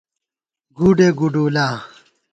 گُوڈے گُوڈُولا